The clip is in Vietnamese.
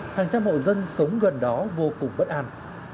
hàng trăm hộ dân sống gần đó vô cùng bất an